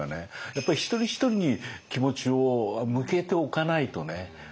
やっぱりひとりひとりに気持ちを向けておかないとね